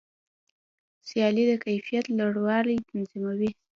سیالي د کیفیت لوړوالی تضمینوي.